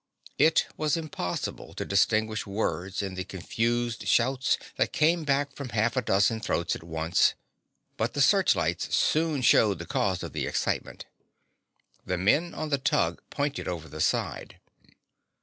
It was impossible to distinguish words in the confused shouts that came back from half a dozen throats at once, but the searchlights soon showed the cause of the excitement. The men on the tug pointed over the side.